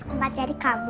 empat jari kamu